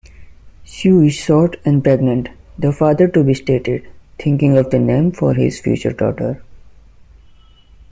"Sue is short and pregnant", the father-to-be stated, thinking of a name for his future daughter.